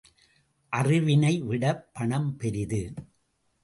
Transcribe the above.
அறிவினைவிடப் பணம் பெரிது.